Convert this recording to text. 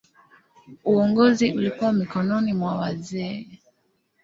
Uongozi ulikuwa mikononi mwa wazee.